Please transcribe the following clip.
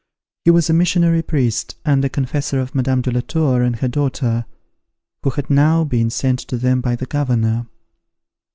He was a missionary priest and the confessor of Madame de la Tour and her daughter, who had now been sent to them by the governor.